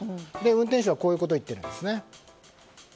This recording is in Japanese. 運転手はこういうことを言っています。